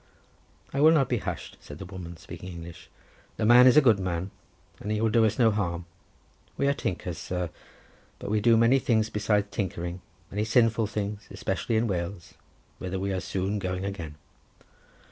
"I will not be hushed," said the woman, speaking English. "The man is a good man, and he will do us no harm. We are tinkers, sir; but we do many things besides tinkering, many sinful things, especially in Wales, whither we are soon going again.